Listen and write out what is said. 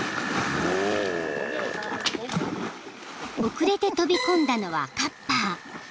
［遅れて飛び込んだのはカッパー］